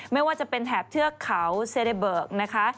ไม่ว่าจะเป็นแถบเทือกเขาเซเรเบิกนะคะ